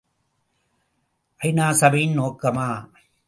ஐ.நா. சபையின் நோக்கமா?